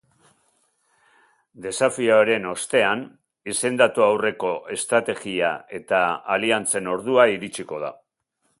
Desafioaren ostean, izendatu aurreko estrategia eta aliantzen ordua iritsiko da.